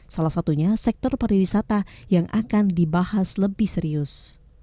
salah satunya sektor pariwisata yang akan dibahas lebih serius